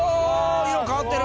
色変わってる。